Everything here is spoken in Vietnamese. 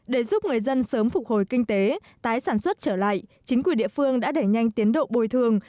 để giúp người dân sớm phục hồi kinh tế tái sản xuất trở lại chính quyền địa phương đã đẩy nhanh tiến độ bồi thường